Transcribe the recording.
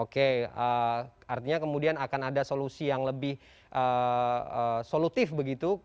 oke artinya kemudian akan ada solusi yang lebih solutif begitu